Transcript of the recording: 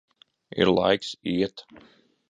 Ir laiks iet.